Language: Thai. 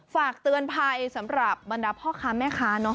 ฝากเตือนภัยสำหรับบรรดาพ่อค้าแม่ค้า